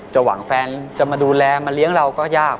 หวังแฟนจะมาดูแลมาเลี้ยงเราก็ยาก